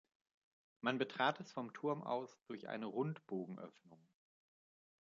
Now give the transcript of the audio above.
Man betrat es vom Turm aus durch eine Rundbogenöffnung.